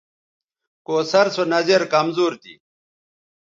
کوثر سو نظِر کمزور تھی